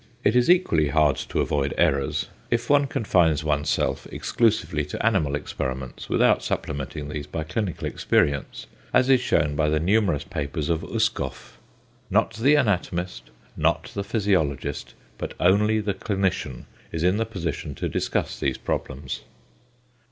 It is equally hard to avoid errors if one confines oneself exclusively to animal experiments, without supplementing these by clinical experience, as is shewn by the numerous papers of Uskoff. Not the anatomist, not the physiologist, but only the clinician is in the position to discuss these problems.